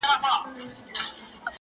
په دومره سپینو کي عجیبه انتخاب کوي؛